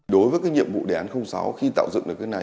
đối với cái nhiệm vụ đề án sáu khi tạo dựng được cái này